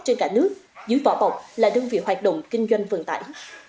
tại nước dưới vỏ bọc là đơn vị hoạt động kinh doanh vận tải